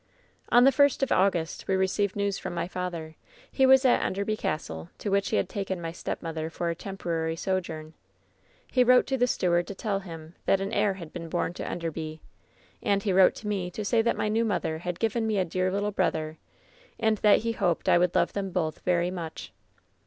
"On the first of August we received news from my father. He was at Enderby Castle, to which he had taken my stepmother for a temporary sojourn. He wrote to the steward to tell him that an heir had been bom to Enderby ; and he wrote to me to say that my new mother had given me a dear little brother, and that he hoped I would love them both very much.